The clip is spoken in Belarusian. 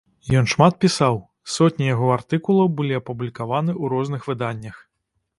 Ён шмат пісаў, сотні яго артыкулаў былі апублікаваны ў розных выданнях.